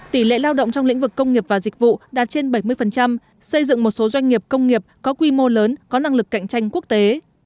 tỷ lệ lao động trong lĩnh vực công nghiệp và dịch vụ đạt trên bảy mươi xây dựng một số doanh nghiệp công nghiệp có quy mô lớn có năng lực cạnh tranh quốc tế